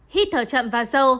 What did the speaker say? hít thở chậm và sâu